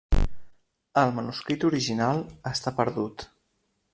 El manuscrit original està perdut.